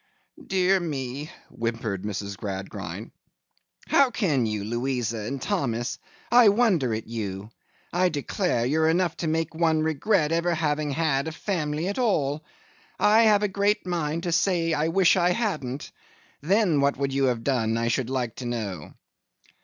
'Dear me,' whimpered Mrs. Gradgrind. 'How can you, Louisa and Thomas! I wonder at you. I declare you're enough to make one regret ever having had a family at all. I have a great mind to say I wish I hadn't. Then what would you have done, I should like to know?